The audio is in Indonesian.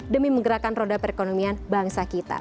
demi menggerakkan roda perekonomian bangsa kita